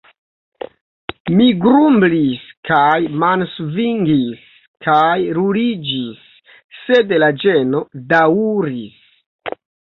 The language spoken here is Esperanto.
Mi grumblis kaj mansvingis kaj ruliĝis sed la ĝeno daŭris.